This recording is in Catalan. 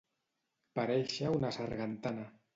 Paréixer una sargantana.